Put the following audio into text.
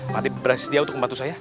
pade berhasil dia untuk membantu saya